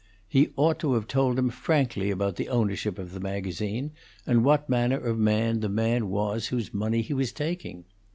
He ought to have told him frankly about the ownership of the magazine, and what manner of man the man was whose money he was taking.